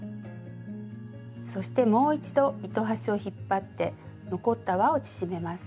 そしてもう一度糸端を引っ張って残ったわを縮めます。